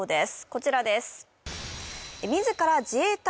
こちらです